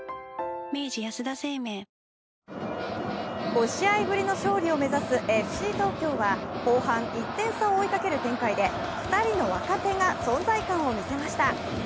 ５試合ぶりの勝利を目指すＦＣ東京は後半１点差を追いかける展開で２人の若手が存在感を見せました。